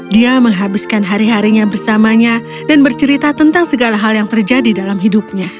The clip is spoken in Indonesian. dia menghabiskan hari harinya bersamanya dan bercerita tentang segala hal yang terjadi dalam hidupnya